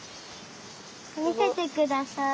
みせてください。